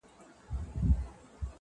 نوی منبر به جوړوو زاړه یادونه سوځو٫